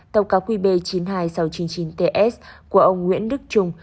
tàu cá qb chín mươi hai nghìn sáu trăm chín mươi chín ts của ông nguyễn đức trung